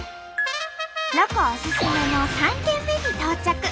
ロコおすすめの３軒目に到着。